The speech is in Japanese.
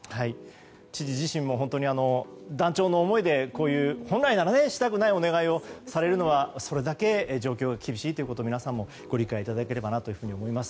知事自身も、本当に断腸の思いでこういう、本来ならばしたくないお願いをされるのはそれだけ状況が厳しいということを皆さんもご理解いただきたいと思います。